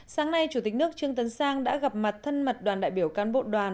sáng nay chủ tịch nước trương tấn sang đã gặp mặt thân mật đoàn đại biểu cán bộ đoàn